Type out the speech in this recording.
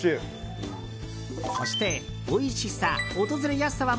そしておいしさ、訪れやすさは